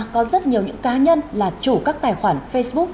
có rất nhiều những cá nhân là chủ các tài khoản facebook